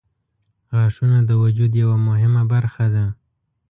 • غاښونه د وجود یوه مهمه برخه ده.